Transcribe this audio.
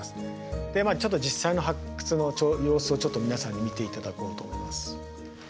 でまあ実際の発掘の様子をちょっと皆さんに見て頂こうと思います。